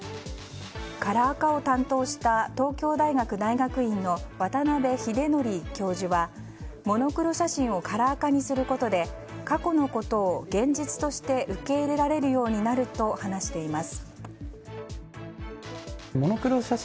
カラー化を担当した東京大学大学院の渡邉英徳教授はモノクロ写真をカラー化にすることで過去のことを現実として受け入れられるようになると話しています。